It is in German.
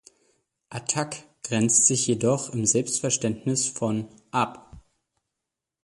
Attac grenzt sich jedoch im Selbstverständnis von ab.